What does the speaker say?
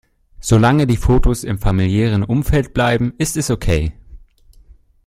Solange die Fotos im familiären Umfeld bleiben, ist es okay.